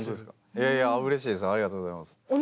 いやいやうれしいですありがとうございます。